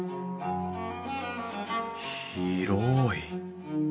広い！